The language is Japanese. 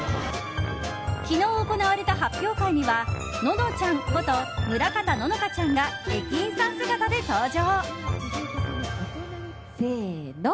昨日行われた発表会にはののちゃんこと村方乃々佳ちゃんが駅員さん姿で登場。